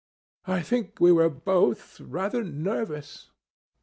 I think we were both rather nervous.